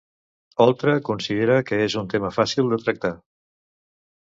Oltra considera que és un tema fàcil de tractar?